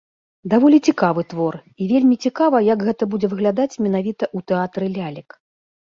Даволі цікавы твор, і вельмі цікава, як гэта будзе выглядаць менавіта ў тэатры лялек.